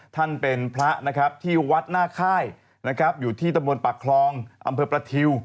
ท่านเป็นพระที่วัดน่าค่ายอยู่ที่ตะบนปากคลองอำเภอประถิว